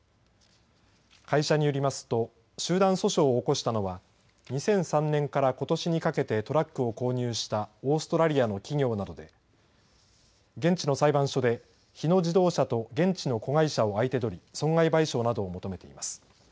会社によりますと集団訴訟を起こしたのは２００３年からことしにかけてトラックを購入したオーストラリアの企業などで現地の裁判所で日野自動車と現地の子会社を相手取り損害賠償などを求めています。